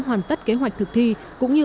hoàn tất kế hoạch thực thi cũng như